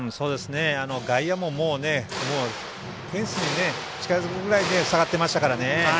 外野もフェンスに近づくぐらい下がってましたからね。